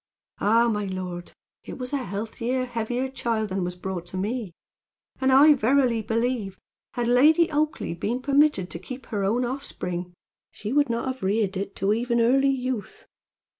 "Ah! my lord, it was a healthier, heavier child than was brought to me; and I verily believe had Lady Oakleigh been permitted to keep her own offspring, she would not have reared it to even early youth.